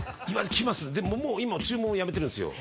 来ますでももう今注文をやめてるんですよ